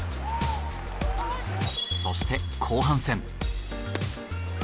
そして後半戦。